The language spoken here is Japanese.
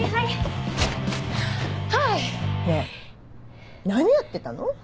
ねぇ何やってたの？